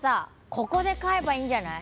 ここで飼えばいいんじゃない？